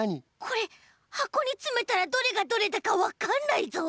これはこにつめたらどれがどれだかわかんないぞ。